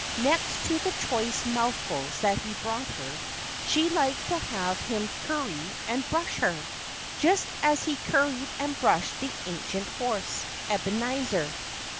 Next to the choice mouthfuls that he brought her, she liked to have him curry and brush her, just as he curried and brushed the ancient horse, Ebenezer.